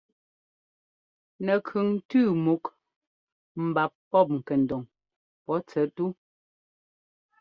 Nɛkʉŋ tʉ́ múk mbap pɔ́p ŋkɛndoŋ pɔ́ tsɛt tú.